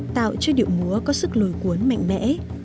tạo cho điệu múa có sức lôi cuốn mạnh mẽ